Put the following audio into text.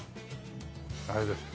あれですよ